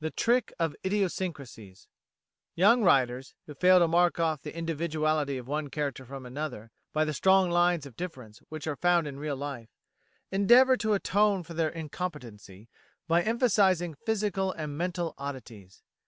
The Trick of "Idiosyncrasies" Young writers, who fail to mark off the individuality of one character from another, by the strong lines of difference which are found in real life, endeavour to atone for their incompetency by emphasising physical and mental oddities.